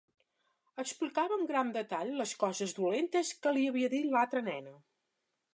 Explicava amb gran detall les coses dolentes que li havia dit l'altra nena.